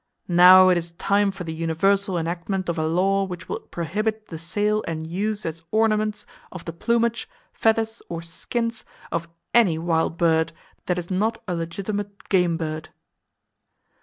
Now it is time for the universal enactment of a law which will prohibit the sale and use as ornaments of the plumage, feathers or skins of any wild bird that is not a legitimate game bird.